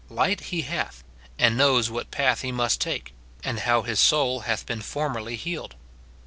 Light he hath, and knows what path he must take, and how his soul hath been formerly healed.